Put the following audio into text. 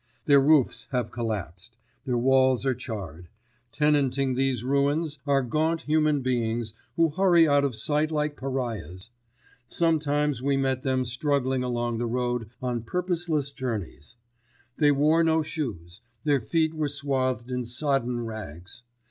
Their roofs have collapsed; their walls are charred. Tenanting these ruins are gaunt human beings who hurry out of sight like pariahs. Sometimes we met them struggling along the road on purposeless journeys. They wore no shoes; their feet were swathed in sodden rags.